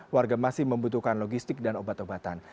warga masih membutuhkan logistik dan obat obatan